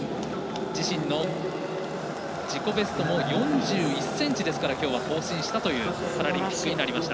自身の自己ベストも４１ｃｍきょうは更新したというパラリンピックになりました。